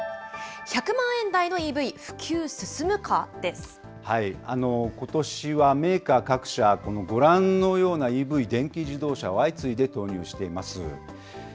１００万円台のＥＶ、ことしはメーカー各社、このご覧のようなＥＶ・電気自動車を相次いで投入しています。